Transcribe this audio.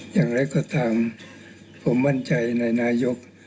อย่างไรก็ตามผมมั่นใจในนายก